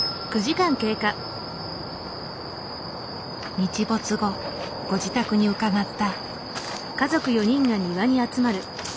日没後ご自宅に伺った。